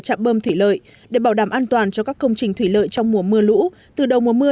các công trình thủy lợi để bảo đảm an toàn cho các công trình thủy lợi trong mùa mưa lũ từ đầu mùa mưa